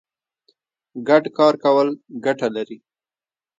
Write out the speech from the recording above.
ګډ کار کول ګټه لري.